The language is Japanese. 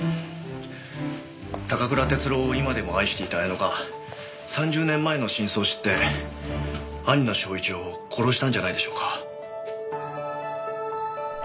高倉徹郎を今でも愛していた彩乃が３０年前の真相を知って兄の祥一を殺したんじゃないでしょうか？